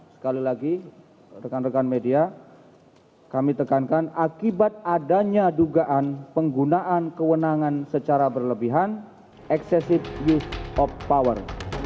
sekali lagi rekan rekan media kami tekankan akibat adanya dugaan penggunaan kewenangan secara berlebihan excessive use of power